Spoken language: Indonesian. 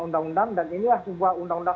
undang undang dan inilah sebuah undang undang